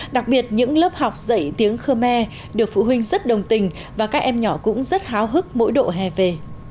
đặc biệt những lớp học dạy tiếng khmer được phụ huynh rất đồng tình và các em nhỏ cũng rất háo hức mỗi độ hè về